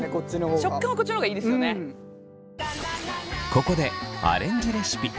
ここでアレンジレシピ。